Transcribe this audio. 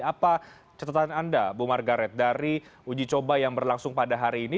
apa catatan anda bu margaret dari uji coba yang berlangsung pada hari ini